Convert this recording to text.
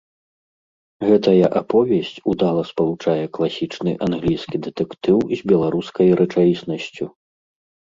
Гэтая аповесць удала спалучае класічны англійскі дэтэктыў з беларускай рэчаіснасцю.